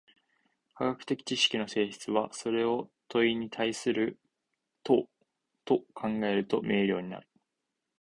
科学的知識の性質は、それを問に対する答と考えると明瞭になる。